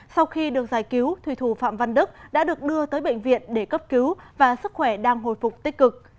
sau khi được giải cứu thủy thủ phạm văn đức đã được đưa tới bệnh viện để cấp cứu và sức khỏe đang hồi phục tích cực